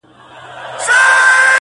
ځوان لگيا دی~